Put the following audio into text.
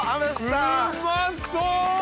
うまそう！